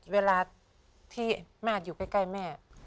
เวลาที่แม่อยู่ใกล้แม่